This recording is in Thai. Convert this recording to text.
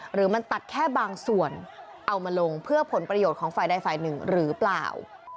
หรือมันตัดแค่บางส่วนเอามาลงเพื่อผลประโยชน์ของฝ่ายใดฝ่ายหนึ่งหรือเปล่า